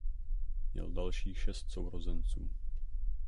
Měl dalších šest sourozenců.